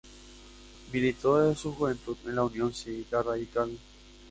Militó desde su juventud en la Unión Cívica Radical.